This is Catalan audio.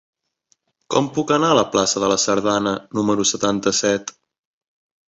Com puc anar a la plaça de la Sardana número setanta-set?